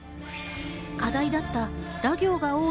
課題だった、ら行が多い